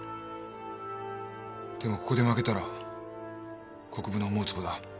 でもここで負けたら国府の思うつぼだ。